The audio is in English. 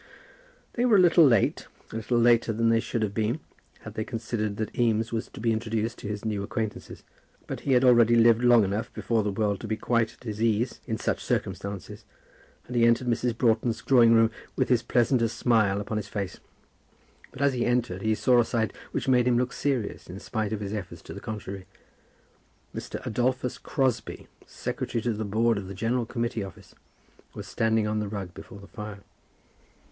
They were a little late, a little later than they should have been had they considered that Eames was to be introduced to his new acquaintances. But he had already lived long enough before the world to be quite at his ease in such circumstances, and he entered Mrs. Broughton's drawing room with his pleasantest smile upon his face. But as he entered he saw a sight which made him look serious in spite of his efforts to the contrary. Mr. Adolphus Crosbie, secretary to the Board at the General Committee Office, was standing on the rug before the fire.